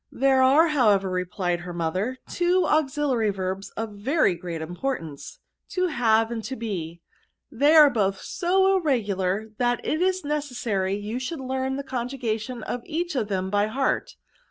" There are, however, replied her mother, two auxiliary verbs of very great import ance ; to have and to be. They are both so irregular, that it is necessary you should learn the conjugation of each of them by heart.